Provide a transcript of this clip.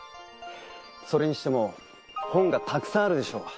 それにしても本がたくさんあるでしょう。